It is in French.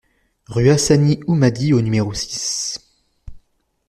Rue Assani Houmadi au numéro six